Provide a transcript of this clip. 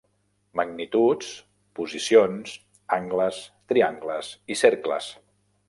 Magnituds, posicions, angles, triangles i cercles.